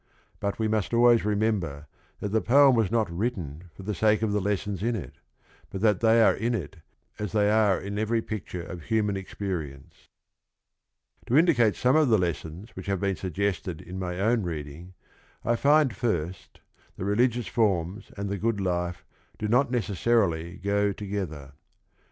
But we must always remember that the poem was not written for the sake of the lessons in it, but that they are in it as they are in every picture of human experience. To indicate some of the lessons which have been suggested in my own reading, I find first that Jgljmniig fra Tna anH thp grnnrl life do no t necessarily go together.